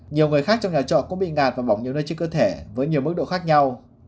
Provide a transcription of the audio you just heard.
nhiều người khác trong nhà trọ cũng bị ngạt và bỏng nhiều nơi trên cơ thể với nhiều mức độ khác nhau